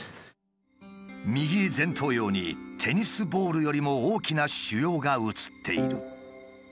右前頭葉にテニスボールよりも大きな腫瘍が写っている。